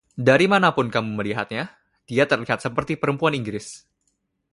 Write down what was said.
Dari manapun kamu melihatnya, dia terlihat seperti perempuan Inggris.